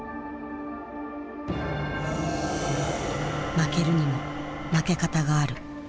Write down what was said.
負けるにも負け方がある。